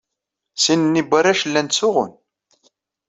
Sin-nni n warrac llan ttsuɣun.